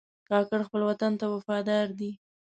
کاکړ خپل وطن ته وفادار دي.